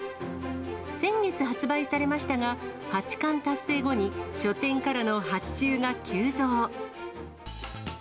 先月発売されましたが、八冠達成後に書店からの発注が急増。